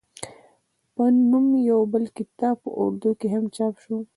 پۀ نوم يو بل کتاب پۀ اردو کښې هم چاپ شو